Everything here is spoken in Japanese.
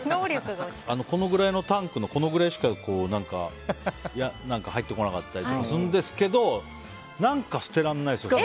このくらいのタンクのこのくらいしか入ってこなかったりとかするんですけど何か捨てられないんですよ。